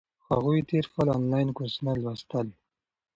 هغوی تیر کال انلاین کورسونه لوستل.